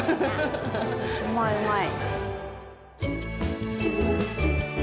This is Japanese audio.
・うまいうまい。